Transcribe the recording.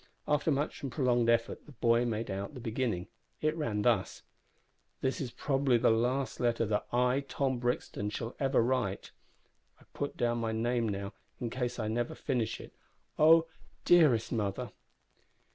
After much and prolonged effort the boy made out the beginning. It ran thus: "This is probably the last letter that I, Tom Brixton, shall ever write. (I put down my name now, in case I never finish it.) O dearest mother!